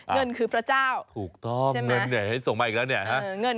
เงินคือพระเจ้าถูกต้องเงินเนี่ยให้ส่งมาอีกแล้วเนี่ยฮะ